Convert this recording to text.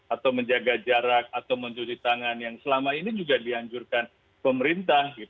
atau menjaga jarak atau mencuci tangan yang selama ini juga dianjurkan pemerintah